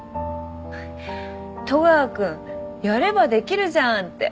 戸川君やればできるじゃんって。